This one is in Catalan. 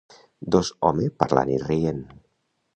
Dos home parlant i rient.